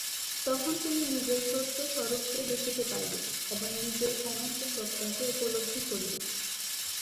তখন তুমি নিজের সত্য স্বরূপকে দেখিতে পাইবে এবং নিজের অনন্ত সত্তাকে উপলব্ধি করিবে।